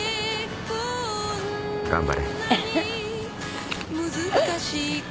頑張れ。